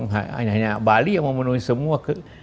hanya hanya bali yang memenuhi semua